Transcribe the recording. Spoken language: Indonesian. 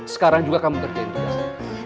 sekarang juga kamu kerjain tugasnya